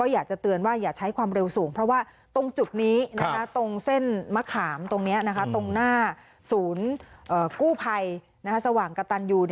อยากจะเตือนว่าอย่าใช้ความเร็วสูงเพราะว่าตรงจุดนี้ตรงเส้นมะขามตรงนี้ตรงหน้าศูนย์กู้ภัยสว่างกระตันยู